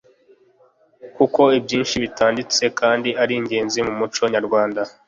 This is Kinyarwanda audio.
kuko ibyinshi bitanditse kandi ari ingenzi mu muco nyarwanda